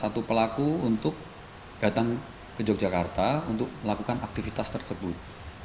satu pelaku untuk datang ke yogyakarta untuk melakukan aktivitas tersebut